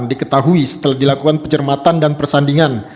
diketahui setelah dilakukan pencermatan dan persandingan